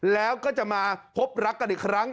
แล้วก็จะมาพบรักกันอีกครั้ง